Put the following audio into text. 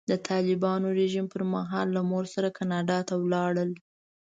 د طالبانو رژیم پر مهال له مور سره کاناډا ته ولاړل.